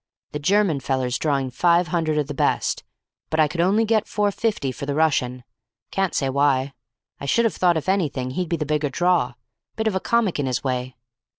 The German feller's drawing five hundred of the best, but I could only get four fifty for the Russian. Can't say why. I should have thought, if anything, he'd be the bigger draw. Bit of a comic in his way!'